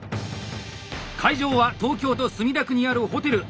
会場は東京都墨田区にあるホテル。